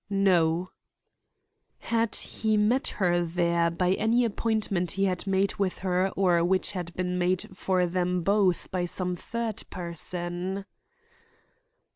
"No" Had he met her there by any appointment he had made with her or which had been made for them both by some third person?